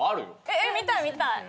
え見たい見たい。